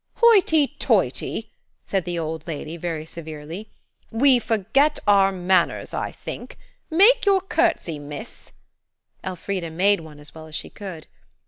"Hoity toity," said the old lady very severely; "we forget our manners, I think. Make your curtsey, miss." Elfrida made one as well as she could.